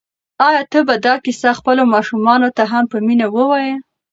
آیا ته به دا کیسه خپلو ماشومانو ته هم په مینه ووایې؟